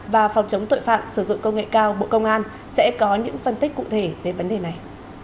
và phòng chống tội phạm sử dụng công nghệ cao bộ công an sẽ có những phân tích cụ thể về vấn đề này